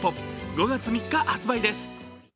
５月３日発売です。